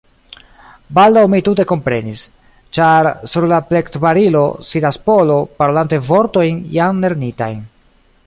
Baldaŭ mi tute komprenis; ĉar, sur la plektbarilo, sidas Polo, parolante vortojn jam lernitajn.